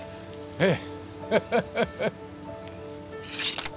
ええ。